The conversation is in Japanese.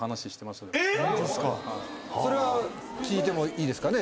それは聞いてもいいですかね？